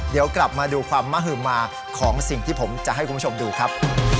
เดี๋ยวกลับมาดูความมหือมาของสิ่งที่ผมจะให้คุณผู้ชมดูครับ